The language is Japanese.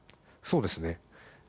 そうですね。